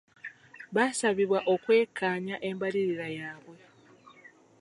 Baasabibwa okwekkaanya embalirira yaabwe.